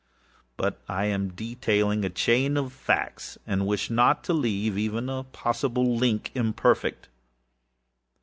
But I am detailing a chain of factsâand wish not to leave even a possible link imperfect.